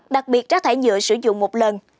đặc biệt rác thải nhựa sử dụng một lần